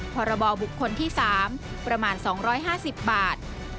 พรบบุคคลที่๓ประมาณ๒๕๐บาท